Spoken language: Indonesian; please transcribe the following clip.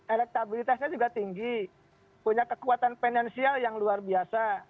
elektabilitasnya juga tinggi punya kekuatan finansial yang luar biasa